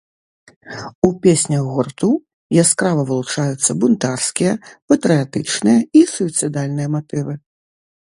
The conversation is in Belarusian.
У песнях гурту яскрава вылучаюцца бунтарскія, патрыятычныя і суіцыдальныя матывы.